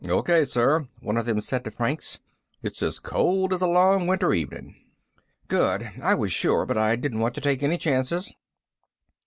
"Okay, sir," one of them said to Franks. "It's as cold as a long winter evening." "Good. I was sure, but I didn't want to take any chances."